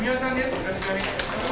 よろしくお願いします。